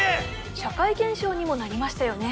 社会現象にもなりましたよね